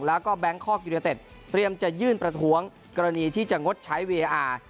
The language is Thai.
แล้วก็แบงคอกยูเนเต็ดเตรียมจะยื่นประท้วงกรณีที่จะงดใช้วีเออาร์